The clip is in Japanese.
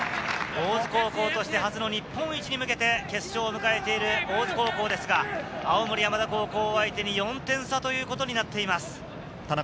大津高校としてに初の日本一に向けて決勝を迎えている大津高校ですが、青森山田高校を相手に４点差ということになっています。